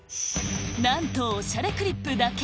なんと『おしゃれクリップ』だけ！